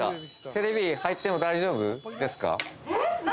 テレビ入っても大丈夫？